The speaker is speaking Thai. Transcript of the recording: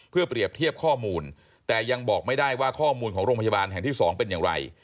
เพื่อเปรียบเทียบข้อมูลแต่ยังบอกไม่ได้ว่าข้อมูลของโรงพยาบาลแห่งที่๒เป็นอย่างไร